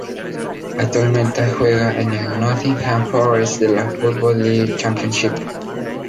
Actualmente juega en el Nottingham Forest de la Football League Championship.